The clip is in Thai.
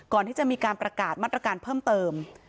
ก่อนที่จะมีการประกาศมาตรการเพิ่มเติม